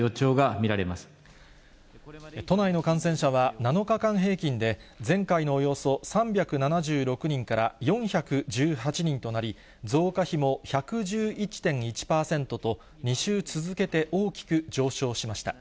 都内の感染者は７日間平均で、前回のおよそ３７６人から４１８人となり、増加比も１１１．１％と、２週続けて大きく上昇しました。